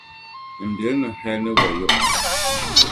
m bilim ni hal ni wayo.